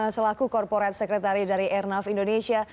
selaku korporat sekretari dari airnav indonesia